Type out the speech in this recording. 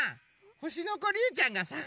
ほしのこりゅうちゃんがさがしてたよ。